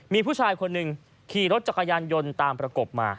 มีผู้ชายคนหนึ่งขี่รถจักรยานยนต์ตามประกบมา